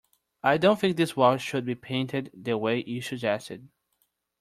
I don't think this wall should be painted the way you suggested.